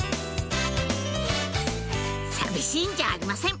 寂しいんじゃありません